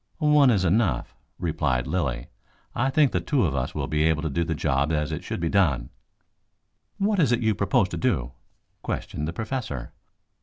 "One is enough," replied Lilly. "I think the two of us will be able to do the job as it should be done." "What is it you propose to do?" questioned the Professor.